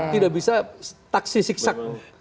tidak bisa taksi sik sak